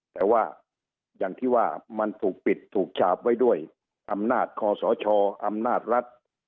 แต่ว่าอย่างที่ว่ามันถูกปิดถูกฉาบไว้ด้วยอำนาจคอสชอำนาจรัฐ